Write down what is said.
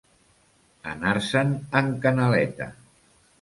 Anar-se'n en canaleta.